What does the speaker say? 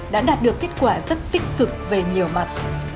đã đạt được kết quả rất tích cực về nhiều mặt